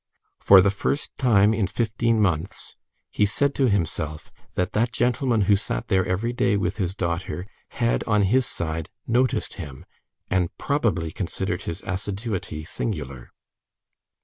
For the first time in fifteen months, he said to himself that that gentleman who sat there every day with his daughter, had, on his side, noticed him, and probably considered his assiduity singular.